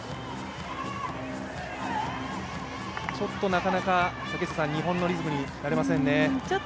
なかなか日本のリズムになれませんね。